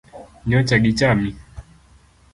Nyocha gichami?